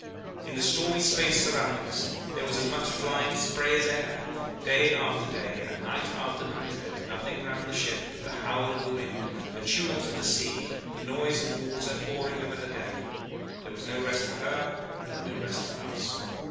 In the stormy space surrounding us there was as much flying spray as air. Day after day and night after night there was nothing round the ship but the howl of the wind, the tumult of the sea, the noise of water pouring over her deck. There was no rest for her and no rest for us.